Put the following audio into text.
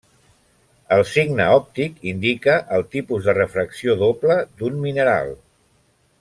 El signe òptic indica el tipus de refracció doble d'un mineral.